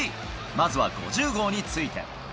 まずは５０号について。